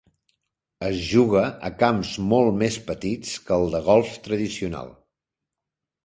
Es juga a camps molt més petits que el de golf tradicional.